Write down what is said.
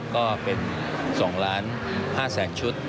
ก็เป็น๒ล้าน๕แสนชุด